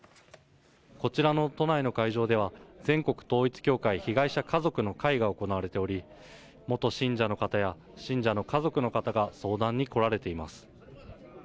こちらの都内の会場では、全国統一教会被害者家族の会が行われており、元信者の方や信者の家族の方が、相談に来られています。